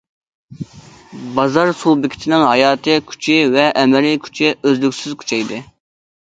بازار سۇبيېكتىنىڭ ھاياتىي كۈچى ۋە ئەمەلىي كۈچى ئۈزلۈكسىز كۈچەيدى.